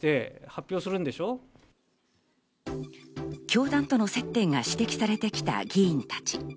教団との接点が指摘されてきた議員たち。